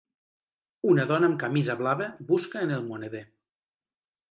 Una dona amb camisa blava busca en el moneder.